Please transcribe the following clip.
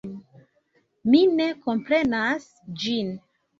Mi ne komprenas ĝin.